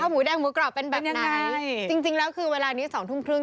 หมูแดงหมูกรอบเป็นแบบไหนใช่จริงจริงแล้วคือเวลานี้สองทุ่มครึ่ง